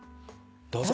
どうぞ。